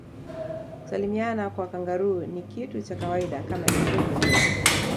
kusalimiana kwa kangaroo ni kitu cha kawaida kama ilivyo kwetu